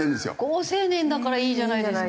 好青年だからいいじゃないですか。